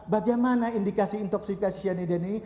bagaimana indikasi intoxikasi cyanida ini